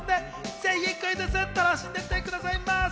ぜひクイズッス、楽しんでいってくださいませ。